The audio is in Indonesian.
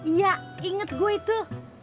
iya inget gue itu